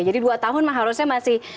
jadi dua tahun mah harusnya masih